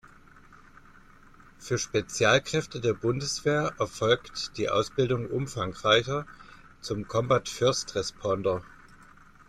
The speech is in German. Für Spezialkräfte der Bundeswehr erfolgt die Ausbildung umfangreicher zum Combat First Responder.